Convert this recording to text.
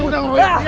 udah ngeroyok dia